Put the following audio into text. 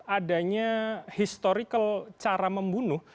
adanya cara membunuh secara historis